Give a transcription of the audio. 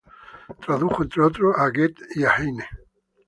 Tradujo, entre otros, a Goethe y Heine.